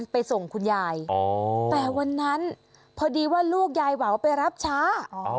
ไปส่งคุณยายแต่วันนั้นพอดีว่าลูกยายหวาวไปรับช้า